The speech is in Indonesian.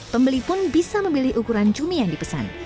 pembeli pun bisa memilih ukuran cumi yang dipesan